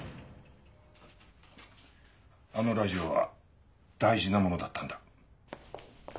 あのラジオは大事なものだったんだ。